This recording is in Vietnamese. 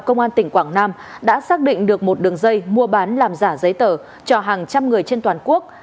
công an tỉnh quảng nam đã xác định được một đường dây mua bán làm giả giấy tờ cho hàng trăm người trên toàn quốc